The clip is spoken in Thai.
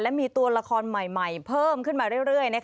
และมีตัวละครใหม่เพิ่มขึ้นมาเรื่อย